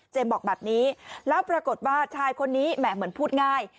บอกแบบนี้แล้วปรากฏว่าชายคนนี้แหมเหมือนพูดง่าย